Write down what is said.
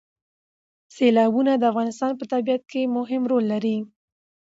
سیلابونه د افغانستان په طبیعت کې یو مهم رول لري.